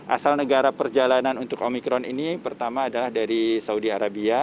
asal negara perjalanan untuk omikron ini pertama adalah dari saudi arabia